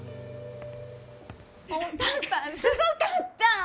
パパすごかった！